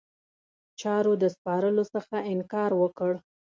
چارو د سپارلو څخه انکار وکړ.